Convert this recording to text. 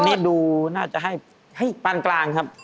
อันนี้ดูน่าจะให้ปานกลางครับ